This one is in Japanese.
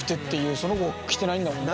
その子が来てないんだもんね。